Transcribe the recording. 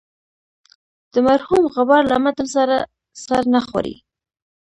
د مرحوم غبار له متن سره سر نه خوري.